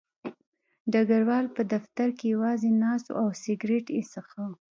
ډګروال په دفتر کې یوازې ناست و او سګرټ یې څښه